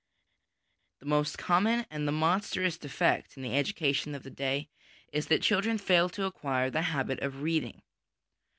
The most common and the monstrous defect in the education of the day is that children fail to acquire the habit of reading.